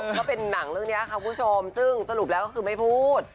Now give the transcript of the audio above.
ก็เป็นหนังเรื่องนี้ค่ะคุณผู้ชมซึ่งสรุปแล้วก็คือไม่พูด